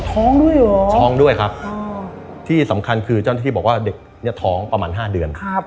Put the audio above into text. ท้องด้วยเหรอท้องด้วยครับที่สำคัญคือเจ้าหน้าที่บอกว่าเด็กเนี่ยท้องประมาณ๕เดือน